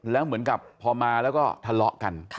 แล้วเหมือนกับพอมาแล้วก็ทะเลาะกัน